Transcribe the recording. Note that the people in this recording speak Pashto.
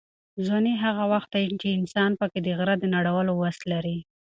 ځواني هغه وخت ده چې انسان پکې د غره د نړولو وس لري.